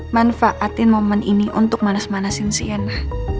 manfaatin momen ini untuk manas manasin si anak